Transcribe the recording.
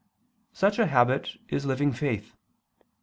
Such a habit is living faith.